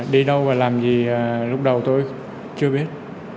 đi đâu và làm gì lúc đầu tôi chưa biết